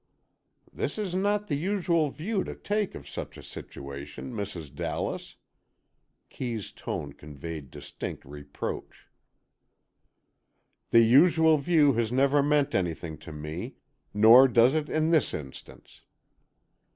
"This is not the usual view to take of such a situation, Mrs. Dallas." Kee's tone conveyed distinct reproach. "The usual view has never meant anything to me, nor does it in this instance."